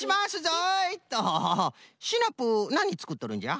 シナプーなにつくっとるんじゃ？